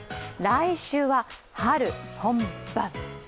来週は春本番！